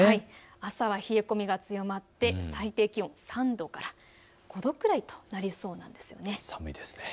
朝は冷え込みが強まって最低気温、３度から５度くらいとなりそうです。